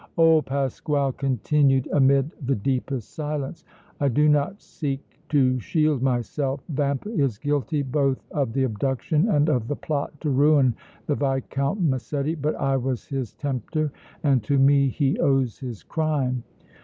Old Pasquale continued, amid the deepest silence: "I do not seek to shield myself. Vampa is guilty both of the abduction and of the plot to ruin the Viscount Massetti, but I was his tempter and to me he owes his crime!